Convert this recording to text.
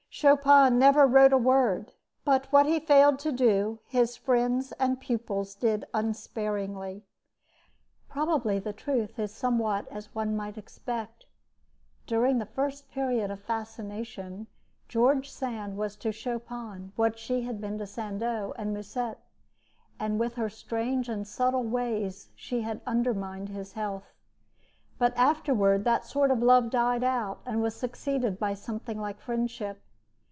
Chopin never wrote a word; but what he failed to do, his friends and pupils did unsparingly. Probably the truth is somewhat as one might expect. During the first period of fascination, George Sand was to Chopin what she had been to Sandeau and to Musset; and with her strange and subtle ways, she had undermined his health. But afterward that sort of love died out, and was succeeded by something like friendship.